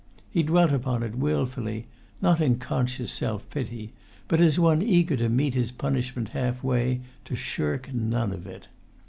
He dwelt upon it, wilfully, not in conscious self pity, but as one eager to meet his punishment half way, to shirk none of it.